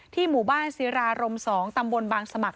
หมู่บ้านศิรารม๒ตำบลบางสมัคร